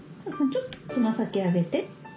ちょっと爪先上げて。